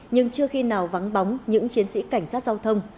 nhưng chưa khi nào vắng bóng những chiến sĩ cảnh sát giao thông